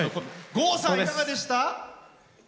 郷さん、いかがでした？